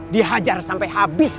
dihajar sampai habis